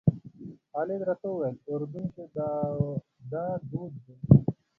خالد راته وویل اردن کې دا دود دی.